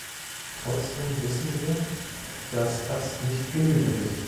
Trotzdem wissen wir, dass das nicht genügend ist.